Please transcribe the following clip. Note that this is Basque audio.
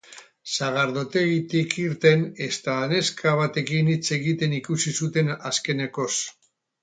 Sagardotegitik irten eta neska batekin hitz egiten ikusi zuten azkenekoz.